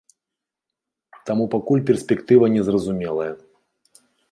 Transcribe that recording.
Таму пакуль перспектыва незразумелая.